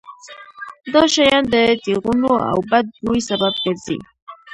دا شیان د ټېغونو او بد بوی سبب ګرځي.